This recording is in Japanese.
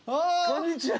こんにちは！